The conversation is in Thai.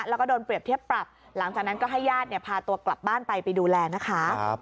แล้วก็โดนเปรียบเทียบปรับหลังจากนั้นก็ให้ญาติพาตัวกลับบ้านไปไปดูแลนะคะ